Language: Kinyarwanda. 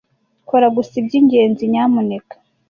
Kora gusa ibyingenzi, nyamuneka.